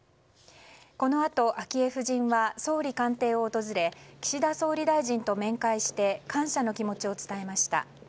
このあと、昭恵夫人は総理官邸を訪れ岸田総理大臣と面会して感謝の気持ちを伝えました。